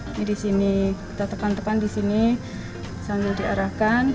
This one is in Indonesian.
ini di sini kita tekan tekan di sini sambil diarahkan